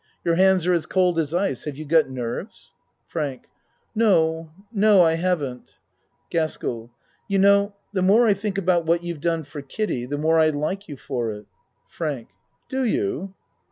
Your hands are as cold as ice. Have you got nerves? FRANK No no I haven't. GASKELL You know the more I think about what you've done for Kiddie, the more I like you for it. FRANK Do you?